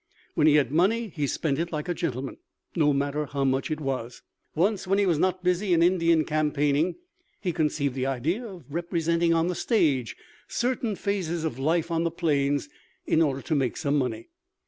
When he had money he spent it like a gentleman, no matter how much it was. Once when he was not busy in Indian campaigning he conceived the idea of representing on the stage certain phases of life on the plains in order to make some money.